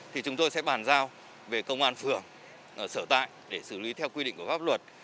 thì chúng tôi sẽ bàn giao về công an phường sở tại để xử lý theo quy định của pháp luật